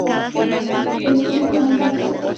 Es un mangaka.